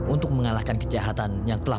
untuk mengalahkan kejahatan yang telah